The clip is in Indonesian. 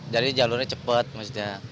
jadi jalurnya cepat maksudnya